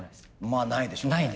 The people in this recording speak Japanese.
まあないでしょうね。